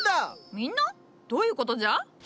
みんな？どういうことじゃ？